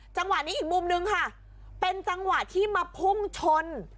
จังหวะนี้อีกมุมนึงค่ะเป็นจังหวะที่มาพุ่งชน